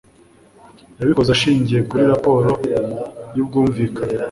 yabikoze ashingiye kuri raporo y'ubwumvikane